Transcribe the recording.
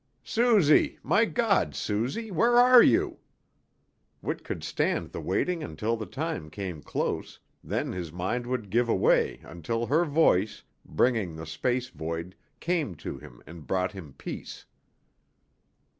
"Suzy! My God, Suzy, where are you?" Whit could stand the waiting until the time came close, then his mind would give away until her voice, bridging the space void came to him and brought him peace.